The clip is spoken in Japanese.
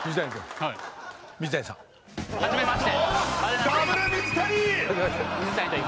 はじめまして。